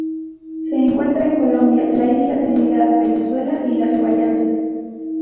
Se encuentra en Colombia, la isla Trinidad, Venezuela y las Guayanas.